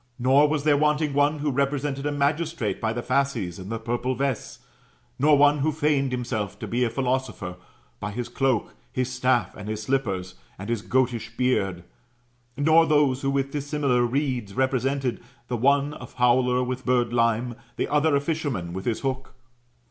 Nor was there wanting one who repre sented a magistrate by the fasces and the purple vest ; nor one who feigned himself to be a philosopher, by his cloak, his staff, and his slippers, and his goatish beard ; nor those who with dis similar reeds represented, the one a fowler with birdlime, and the other a fisherman with his hook.